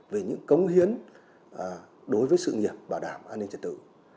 về những cống hiến đối với sự nghiệp bảo đảm an ninh trật tự